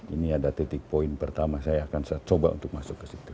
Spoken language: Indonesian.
ini ada titik poin pertama saya akan coba untuk masuk ke situ